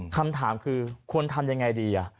คำถามคือควรทำยังไงดี